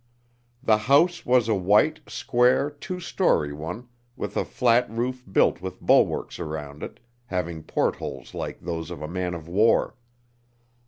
The house was a white, square, two story one with a flat roof built with bulwarks around it, having portholes like those of a man of war.